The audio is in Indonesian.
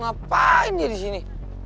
ngapain dia di sini